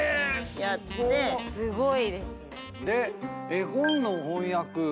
絵本の翻訳。